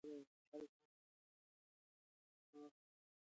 دښمن ماته خوړله.